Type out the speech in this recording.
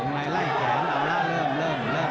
ในไล่แขนเอาละเริ่มเริ่ม